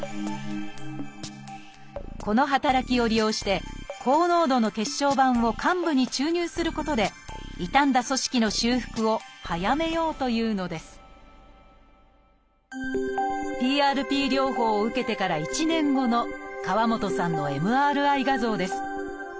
この働きを利用して高濃度の血小板を患部に注入することで傷んだ組織の修復を早めようというのですＰＲＰ療法を受けてから１年後の河本さんのＭＲＩ画像です。